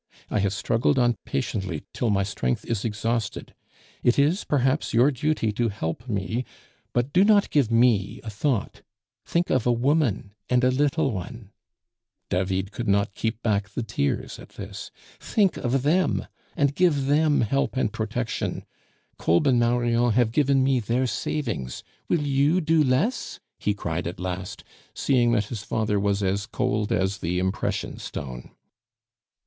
I have struggled on patiently till my strength is exhausted. It is perhaps your duty to help me, but do not give me a thought; think of a woman and a little one" (David could not keep back the tears at this); "think of them, and give them help and protection. Kolb and Marion have given me their savings; will you do less?" he cried at last, seeing that his father was as cold as the impression stone.